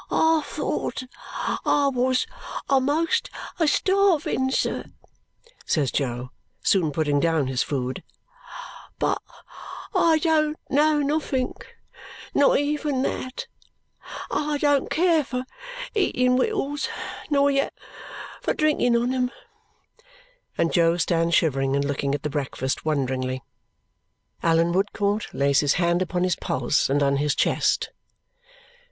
"I thought I was amost a starvin, sir," says Jo, soon putting down his food, "but I don't know nothink not even that. I don't care for eating wittles nor yet for drinking on 'em." And Jo stands shivering and looking at the breakfast wonderingly. Allan Woodcourt lays his hand upon his pulse and on his chest.